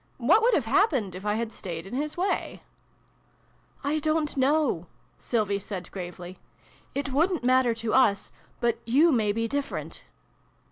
What would have happened if I had staid in his way ?"" I don't know," Sylvie said gravely. "It wouldn't matter to tts ; but you may be diffe rent."